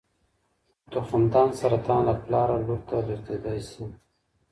د تخمدان سرطان له پلاره لور ته لېږدېدلی شي.